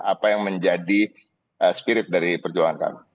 apa yang menjadi spirit dari perjuangan kami